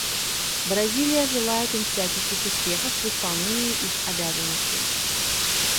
Бразилия желает им всяческих успехов в исполнении их обязанностей.